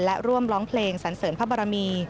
และร่วมร้องเพลงสันเสริญพระบรมี